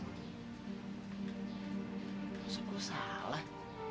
masa gue salah